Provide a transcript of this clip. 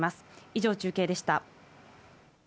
以上、中継でした。